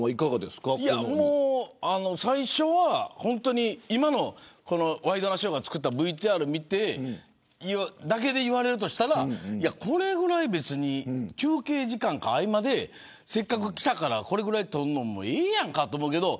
最初は本当に今のワイドナショーが作ったＶＴＲを見てそれだけで言われるとしたらこれぐらい別に休憩時間か合間でせっかく来たからこのぐらい撮るのはええやんかと思うけど。